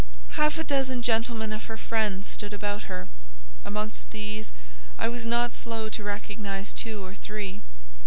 Half a dozen gentlemen of her friends stood about her. Amongst these, I was not slow to recognise two or three.